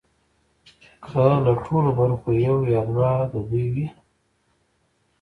که له ټولو برخو یو یا دوه د دوی وي